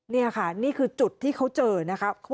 นี่ค่ะนี่คือจุดที่เขาเจอนะคะ